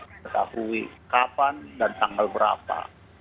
mengetahui kapan dan tanggal berapa